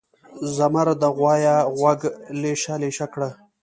زمر د غوایه غوږه لېشه لېشه کړه.